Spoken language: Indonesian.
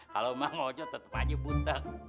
kalo mah ngojo tetep aja buteng